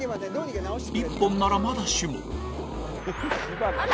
１本ならまだしも。